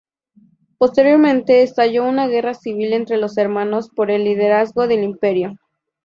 Posteriormente estalló una guerra civil entre los hermanos por el liderazgo del Imperio.